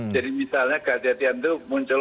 jadi misalnya kehatian itu muncul